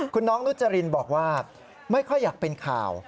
คุณน้องนุจรินบอกว่าไม่ค่อยอยากเป็นข่าว